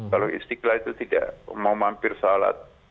kalau istiqlal itu tidak mau mampir sholat